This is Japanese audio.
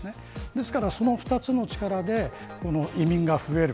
ですから、その２つの力で移民が増える。